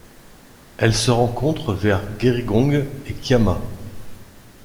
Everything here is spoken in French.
Elle se rencontre vers Gerringong et Kiama.